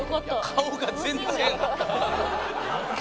「顔が全然」